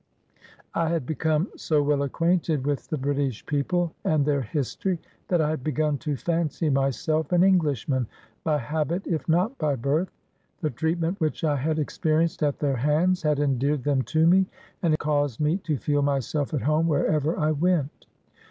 I had become so well acquainted with the British people and their history, that I had begun to fancy myself an Englishman, by habit, if not by birth. The treatment which I had ex perienced at their hands had endeared them to me, and caused me to feel myself at home wherever I went.